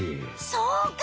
そうか。